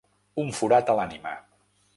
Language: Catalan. Un forat a l’ànima.